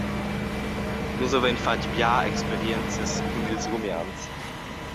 Nus havein fatg bia experienzas cun ils rumians.